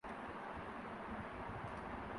کچھ پہلے ان آنکھوں آگے کیا کیا نہ نظارا گزرے تھا